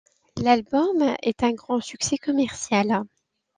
L'album est un grand succès commercial.